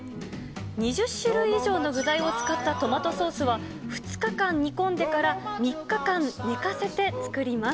２０種類以上の具材を使ったトマトソースは、２日間煮込んでから３日間寝かせて作ります。